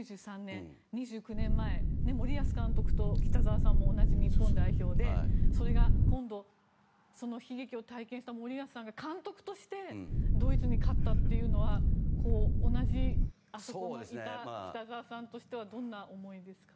２９年前、森保監督と北澤さんも同じ日本代表でそれが今度、その悲劇を体験した森保さんが監督としてドイツに勝ったというのは同じ、あそこにいた北澤さんとしてはどんな思いですか。